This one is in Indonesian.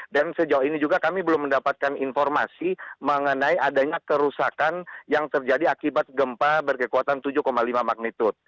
dan sejauh ini juga kami belum mendapatkan informasi mengenai adanya kerusakan yang terjadi akibat gempa berkekuatan tujuh lima magnitude